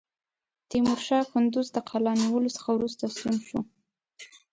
تیمورشاه کندوز د قلا نیولو څخه وروسته ستون شو.